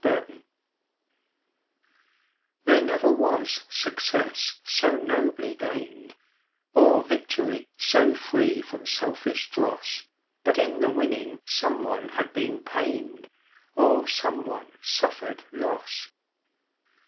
SUN SHADOWS There never was success so nobly gained, Or victory so free from selfish dross, But in the winning some one had been pained Or some one suffered loss.